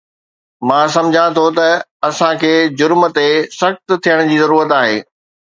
مان سمجهان ٿو ته اسان کي جرم تي سخت ٿيڻ جي ضرورت آهي